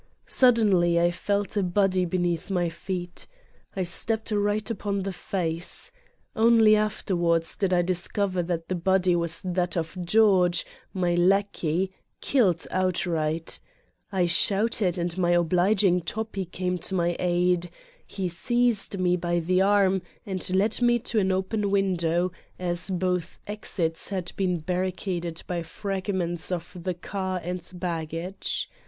Suddenly I felt a body beneath my feet. I stepped right upon the face. Only afterwards did I dis cover that the body was that of George, my lackey, killed outright. I shouted and my obliging Toppi came to my aid : he seized me by the arm and led me to an open window, as both exits had been bar ricaded by fragments of the car and baggage.